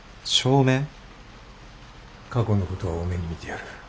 過去のことは大目に見てやる。